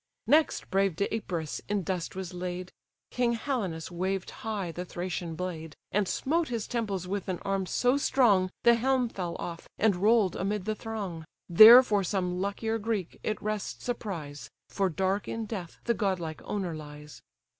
Next brave Deipyrus in dust was laid: King Helenus waved high the Thracian blade, And smote his temples with an arm so strong, The helm fell off, and roll'd amid the throng: There for some luckier Greek it rests a prize; For dark in death the godlike owner lies!